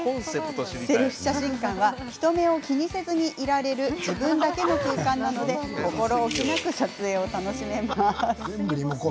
セルフ写真館は人目を気にせずにいられる自分だけの空間なので心おきなく撮影を楽しめます。